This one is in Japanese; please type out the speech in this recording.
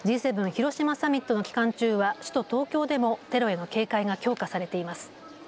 広島サミットの期間中は首都東京でもテロへの警戒が強化されています。